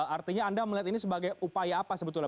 artinya anda melihat ini sebagai upaya apa sebetulnya